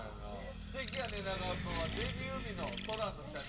素敵やね長尾くんはデビュー日の空の写真。